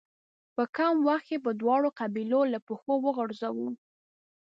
په کم وخت کې به دواړه قبيلې له پښو وغورځوو.